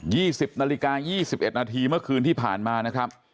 สิบนาฬิกายี่สิบเอ็ดนาทีเมื่อคืนที่ผ่านมานะครับ